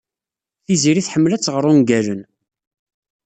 Tiziri tḥemmel ad tɣer ungalen.